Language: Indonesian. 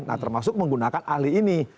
nah termasuk menggunakan ahli ini